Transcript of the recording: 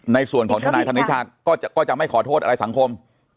ในส่วนของทนายธนิชากษ์ก็จะไม่ขอโทษอะไรสังคม